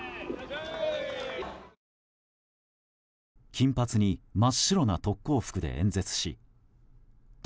金髪に真っ白な特攻服で演説しド